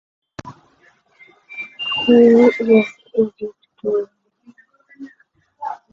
সমগ্র জীবন জ্ঞান ও চিকিৎসা বিদ্যার আরাধনা করেছেন।